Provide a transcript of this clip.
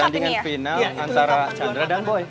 pertandingan final antara chandra dan boy